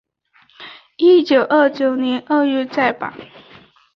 一九二九年二月再版。